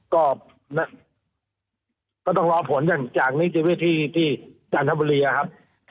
ก็ต้องรอผลจากนิติเวศที่จันทบุรีครับ